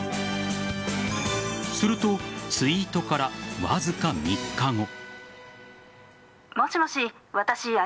するとツイートからわずか３日後。